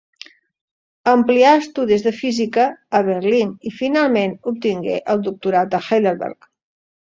Amplià estudis de física a Berlín i finalment obtingué el doctorat a Heidelberg.